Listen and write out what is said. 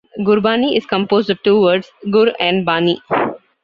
Gurbani is composed of two words: 'Gur' and 'Bani'.